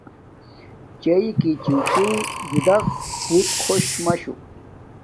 چݵئِݣݺ چِچِݵݸ جُدݳ بݸت خݸش مَشُو.